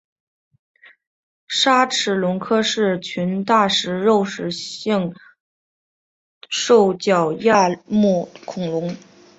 鲨齿龙科是群大型肉食性兽脚亚目恐龙。